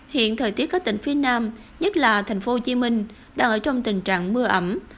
hiện thời tiết các tỉnh phía nam nhất là thành phố hồ chí minh đang ở trong tình trạng mưa ẩm